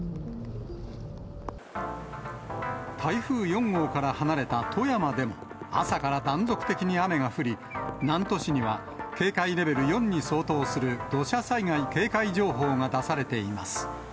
台風４号から離れた富山でも、朝から断続的に雨が降り、南砺市には警戒レベル４に相当する土砂災害警戒情報が出されています。